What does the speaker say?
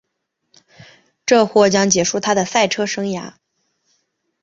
这或将结束她的赛车生涯。